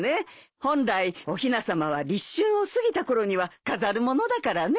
本来おひなさまは立春を過ぎたころには飾るものだからね。